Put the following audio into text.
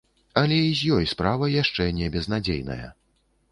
Але і з ёй справа яшчэ не безнадзейная.